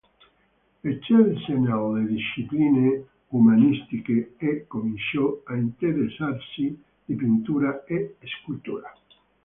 Eccelse nelle discipline umanistiche e cominciò a interessarsi di pittura e scultura.